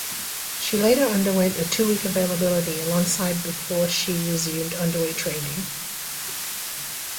She later underwent a two-week availability alongside before she resumed underway training.